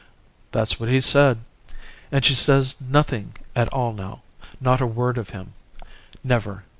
"That's what he said. And she says nothing at all now. Not a word of him. Never.